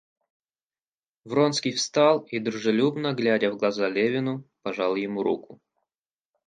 Вронский встал и, дружелюбно глядя в глаза Левину, пожал ему руку.